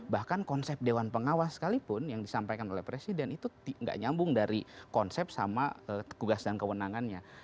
bahkan konsep dewan pengawas sekalipun yang disampaikan oleh presiden itu gak nyambung dari konsep sama tugas dan kewenangannya